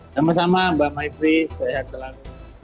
sama sama mbak maifri sehat selalu